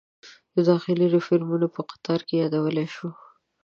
د داخلي ریفورومونو په قطار کې یادولی شو.